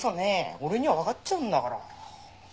俺にはわかっちゃうんだから。